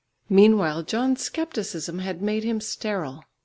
Meanwhile John's scepticism had made him sterile.